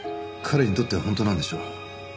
彼にとっては本当なんでしょう。